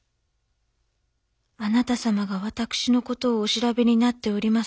あなた様が私の事をお調べになっております